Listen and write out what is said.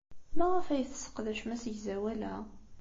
Maɣef ay tesseqdacem asegzawal-a?